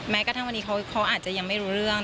กระทั่งวันนี้เขาอาจจะยังไม่รู้เรื่อง